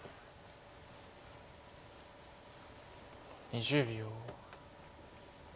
２０秒。